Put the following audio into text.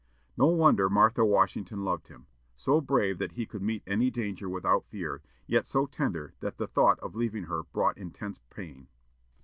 No wonder Martha Washington loved him; so brave that he could meet any danger without fear, yet so tender that the thought of leaving her brought intense pain.